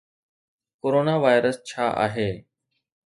Corona virus ڇا آهي؟